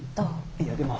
いやでも。